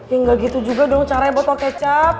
ya nggak gitu juga dong caranya botol kecap